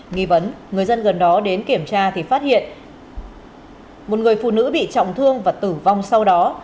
nghi vấn người dân gần đó đến kiểm tra thì phát hiện một người phụ nữ bị trọng thương và tử vong sau đó